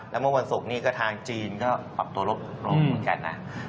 แล้วเมื่อวันศุกร์นี้ก็ทางจีนก็ปรับตัวลดลงเหมือนกันนะ